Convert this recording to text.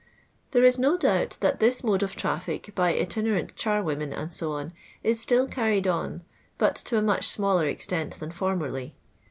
There is no doubt that this mode of traffic by Jtinenuit charwomen, &c., is still carried on, but to a much smaller extent than formerly.